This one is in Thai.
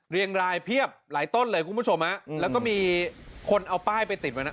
เรียงรายเพียบหลายต้นเลยคุณผู้ชมฮะแล้วก็มีคนเอาป้ายไปติดไว้นะ